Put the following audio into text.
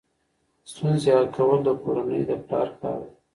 ستونزې حل کول د کورنۍ د پلار کار دی.